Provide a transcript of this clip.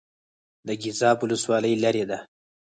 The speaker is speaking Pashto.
د ګیزاب ولسوالۍ لیرې ده